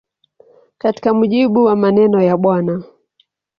Katika mujibu wa maneno ya Bw.